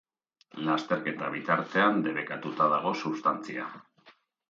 Lasterketa bitartean debekatuta dago substantzia.